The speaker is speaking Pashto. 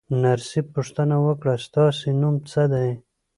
نرسې پوښتنه وکړه: ستاسې نوم څه دی؟